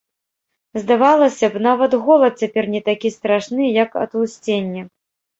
Здавалася б, нават голад цяпер не такі страшны, як атлусценне.